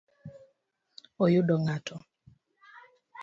Oyudo ng’ato?